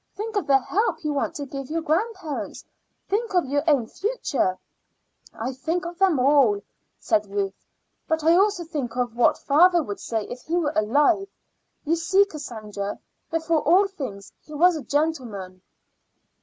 Think of the help you want to give your grandparents. Think of your own future." "I think of them all," said Ruth; "but I also think of what father would have said if he were alive. You see Cassandra, before all things he was a gentleman."